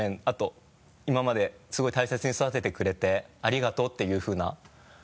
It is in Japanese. あと今まですごい大切に育ててくれてありがとうっていうふうな。